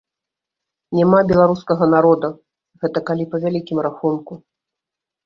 Няма беларускага народа, гэта калі па вялікім рахунку.